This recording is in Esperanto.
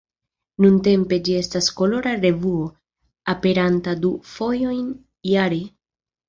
Nuntempe ĝi estas kolora revuo, aperanta du fojojn jare.